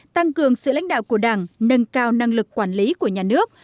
tăng cường sự lãnh đạo của đảng nâng cao năng lực quản lý của nhà nước